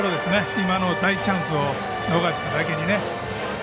今の大チャンスを逃しただけにね。